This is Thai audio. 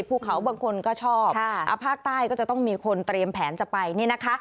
ภูเขาบางคนก็ชอบภาคใต้ก็จะต้องมีคนเตรียมแผนจะไปนี่นะคะ